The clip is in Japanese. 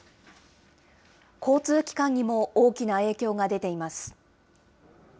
交通機関にも大きな影響が出ています。